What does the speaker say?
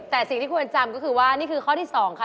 แต่สิ่งที่ควรจำก็คือว่านี่คือข้อที่๒ค่ะ